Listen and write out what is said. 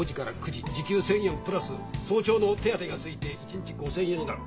時給１，０００円プラス早朝の手当が付いて１日５，０００円になる。